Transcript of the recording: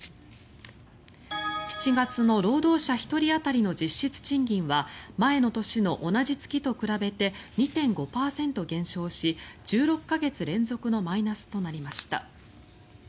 ７月の労働者１人当たりの実質賃金は前の年の同じ月と比べて２．５％減少し１６か月連続のマイナスとなりました。